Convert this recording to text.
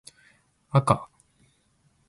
あか